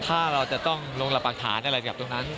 ถ้าเราจะต้องลงรับประทานอะไรกับตรงนั้น